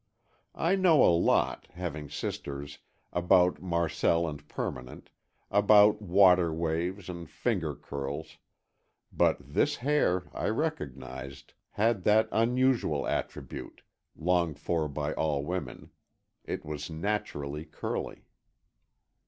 I know a lot, having sisters, about marcel and permanent, about water waves and finger curls, but this hair, I recognized, had that unusual attribute, longed for by all women: it was naturally curly.